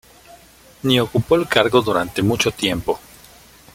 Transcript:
Ni ocupó el cargo durante mucho tiempo.